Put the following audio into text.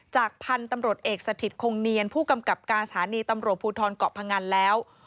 จากพันธุ์ตำรวจเอกสถิตคงเนียนผู้กำกับการสถานีตำรวจภูทรเกาะพงันแล้ว